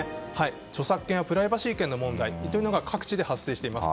著作権やプライバシー権の問題が各地で発生しています。